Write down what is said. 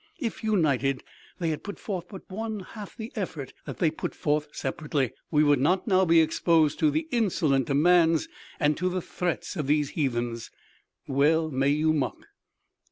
If united they had put forth but one half the efforts that they put forth separately we would not now be exposed to the insolent demands and to the threats of these heathens! Well may you mock!"